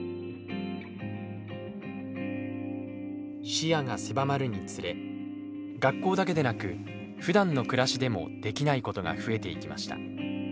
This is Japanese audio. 視野が狭まるにつれ学校だけでなくふだんの暮らしでもできないことが増えていきました。